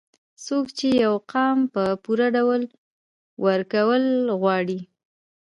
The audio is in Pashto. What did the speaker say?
څوک چې يو قام په پوره ډول وروکول غواړي